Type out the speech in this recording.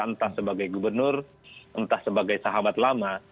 entah sebagai gubernur entah sebagai sahabat lama